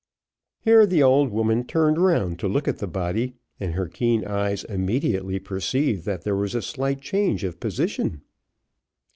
Here the old woman turned round to look at the body, and her keen eyes immediately perceived that there was a slight change of position.